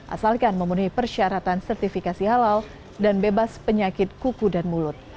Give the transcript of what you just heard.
asalkan memenuhi persyaratan sertifikasi halal dan bebas penyakit kuku dan mulut